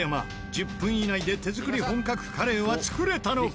１０分以内で手作り本格カレーは作れたのか？